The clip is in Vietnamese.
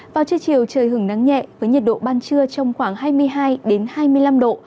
vào trưa chiều trời hưởng nắng nhẹ với nhiệt độ ban trưa trong khoảng hai mươi hai hai mươi năm độ